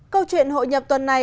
câu chuyện hội nhập tuần này